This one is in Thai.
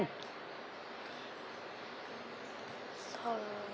สอน